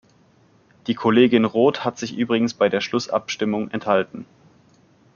Die Kollegin Roth hat sich übrigens bei der Schlussabstimmung enthalten.